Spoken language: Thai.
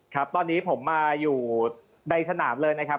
ครับตอนนี้ผมมาอยู่ในสนามเลยนะครับ